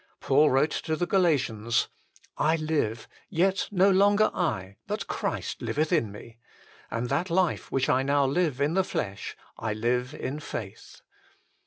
Paul wrote to the Galatians :" I live, yet no longer I, but Christ liveth in me : and that life which I now live in the flesh I live in faith."